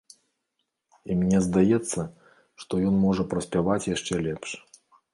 І мне здаецца, што ён можа праспяваць яшчэ лепш.